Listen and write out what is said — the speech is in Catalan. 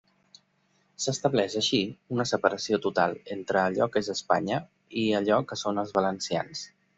S'estableix així una separació total entre allò que és Espanya i allò que són els valencians.